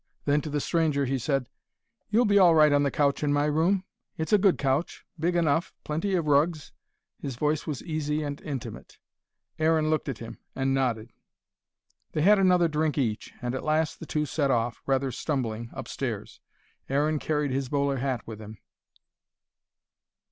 Then to the stranger he said: "You'll be all right on the couch in my room? it's a good couch, big enough, plenty of rugs " His voice was easy and intimate. Aaron looked at him, and nodded. They had another drink each, and at last the two set off, rather stumbling, upstairs. Aaron carried his bowler hat with him.